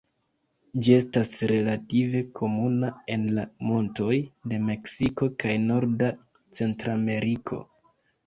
Ĝi estas relative komuna en la montoj de Meksiko kaj norda Centrameriko.